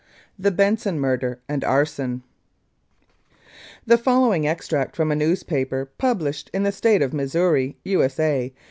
The Benson Murder and Arson The following extract from a newspaper published in the State of Missouri, U.S.A.